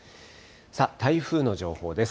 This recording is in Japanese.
台風の情報です。